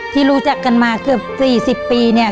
ที่รู้จักกันมาเกือบ๔๐ปีเนี่ย